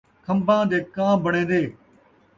کھمباں دے کاں بݨین٘دے